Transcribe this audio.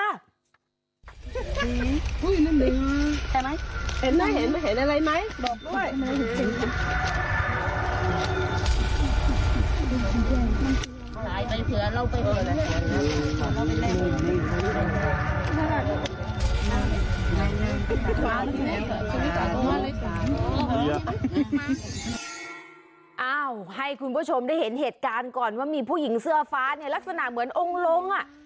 อ้าวให้คุณผู้ชมได้เห็นเหตุการณ์ก่อนว่ามีผู้หญิงเสื้อฟ้าเนี่ยลักษณะเหมือนองค์ลงอ่ะ